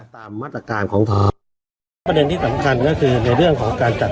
ตามมาตรการของท้องแล้วประเด็นที่สำคัญก็คือในเรื่องของการจัด